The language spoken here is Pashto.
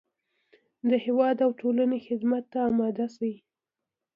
د هېواد او ټولنې خدمت ته اماده شي.